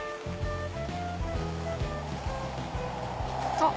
あっ！